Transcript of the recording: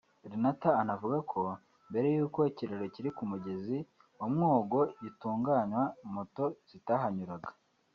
Lenata anavuga ko mbere y’uko ikiraro kiri ku mugezi wa Mwogo gitunganywa moto zitahanyuraga